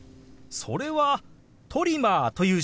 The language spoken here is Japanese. それは「トリマー」という手話ですよ。